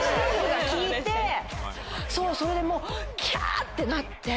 すごい！それでもうキャ！ってなって。